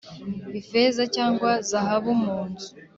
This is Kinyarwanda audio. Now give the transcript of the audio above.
Ifeza cyangwa zahabu mu nzu